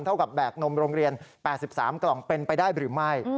เท่ากับแบกนมโรงเรียน๘๓กล่องเป็นไปได้หรือไม่